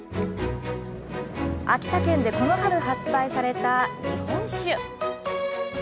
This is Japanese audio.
秋田県でこの春発売された日本酒。